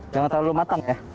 jangan terlalu matang ya